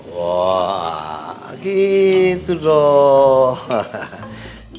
wah gitu dong